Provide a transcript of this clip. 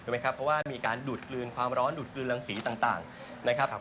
เพราะว่ามีการดูดกลืนความร้อนดูดกลืนรังสีต่างนะครับ